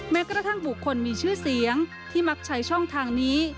แม้กระทั่งบุคคลมีชื่อเสียงที่มักใช้ช่องทางนี้